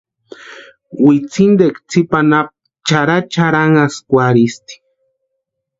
Wintsintikwa tsipa anapu charhacharhanhaskwarhisti.